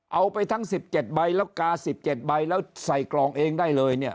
เอาไปทั้ง๑๗ใบแล้วกา๑๗ใบแล้วใส่กล่องเองได้เลยเนี่ย